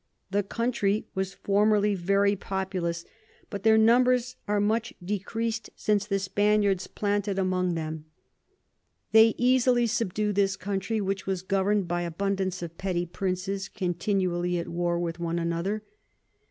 The Country was formerly very populous, but their Numbers are much decreas'd since the Spaniards planted among them. They easily subdu'd this Country, which was govern'd by abundance of petty Princes continually at war with one another.